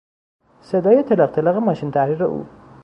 صدای تلق تلق ماشین تحریر او